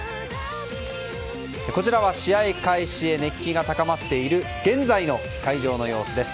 こちらは、試合開始へ熱気が高まっている現在の会場の様子です。